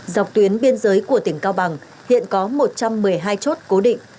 dọc tuyến biên giới của tỉnh cao bằng hiện có một trăm một mươi hai chốt cố định